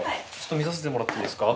見させてもらっていいですか。